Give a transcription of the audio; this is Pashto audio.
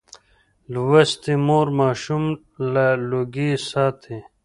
لوستې مور ماشوم له لوګي ساتي.